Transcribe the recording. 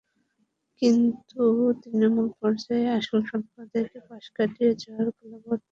কিন্তু তৃণমূল পর্যায়ে আসল সম্প্রদায়কে পাশ কাটিয়ে যাওয়ার কলাবর্তন সন্তোষজনক নয়।